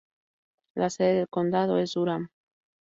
La sede del condado es Durham.